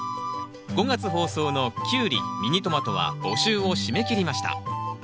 ５月放送のキュウリミニトマトは募集を締め切りました。